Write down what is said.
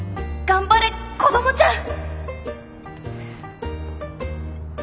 頑張れ子どもちゃん！